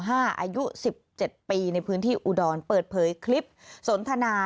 อายุ๑๗ปีในพื้นที่อุดรเปิดเผยคลิปสนทนา